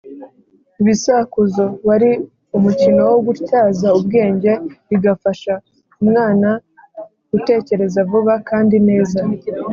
Ibisakuzo: wari umukino wo gutyaza ubwenge bigafasha umwana gutekereza vuba kandi neza.